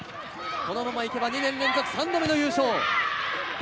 このまま行けば２年連続３度目の優勝。